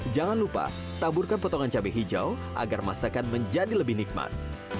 jangan lupa taburkan potongan cabai hijau agar masakan menjadi lebih nikmat